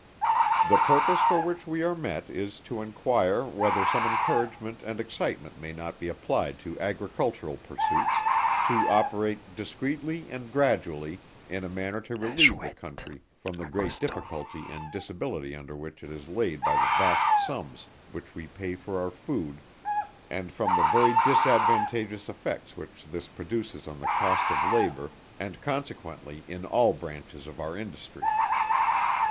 The purpose for which we are met is, to enquire whether some encouragement and excitement may not be applied to Agricultural pursuits, to operate, discreetly and gradually, in a manner to relieve the country from the great difficulty and disability under which it is laid by the vast sums which we pay for our food, and from the very disadvantageous effects which this produces on the cost of labour, and consequently in all branches of our industry.